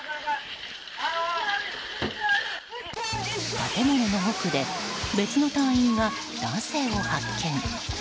建物の奥で別の隊員が男性を発見。